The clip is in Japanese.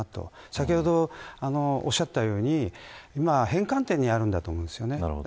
先ほどおっしゃったように今、変換点にあるんだと思います。